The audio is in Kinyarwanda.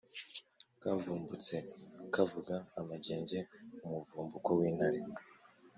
Kavumbutse kavuga amangenge-Umuvumbuko w'intare.